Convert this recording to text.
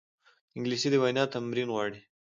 انګلیسي د وینا تمرین غواړي